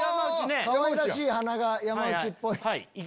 かわいらしい鼻が山内っぽい。